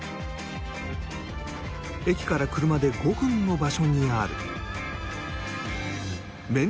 駅から車で５分の場所にある。